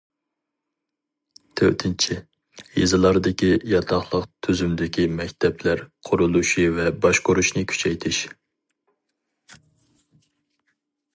تۆتىنچى، يېزىلاردىكى ياتاقلىق تۈزۈمدىكى مەكتەپلەر قۇرۇلۇشى ۋە باشقۇرۇشىنى كۈچەيتىش.